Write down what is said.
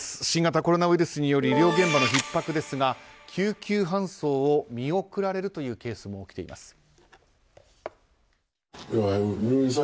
新型コロナウイルスによる医療現場のひっ迫ですが救急搬送を見送られるというケースも起きています。